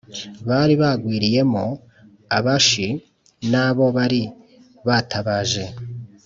bari bagwiriyemo abashi n' abo bari batabaje